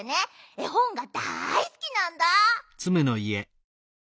えほんがだいすきなんだ。